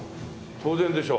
当然でしょ。